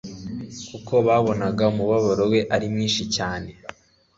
kuko babonaga umubabaro we ari mwinshi cyane